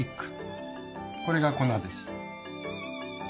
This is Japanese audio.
これが粉です。